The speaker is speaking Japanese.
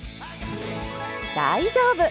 大丈夫！